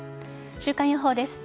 週間予報です。